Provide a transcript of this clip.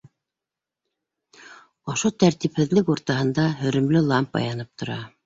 Ошо тәртипһеҙлек уртаһында һөрөмлө лампа янып тора.